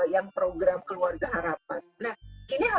yang program keluarga harapan